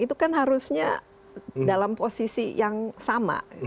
itu kan harusnya dalam posisi yang sama